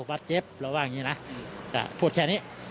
บาดเจ็บเราว่าอย่างนี้นะพูดแค่นี้